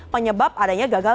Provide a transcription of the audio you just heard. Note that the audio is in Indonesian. menyebab adanya gagal ginjal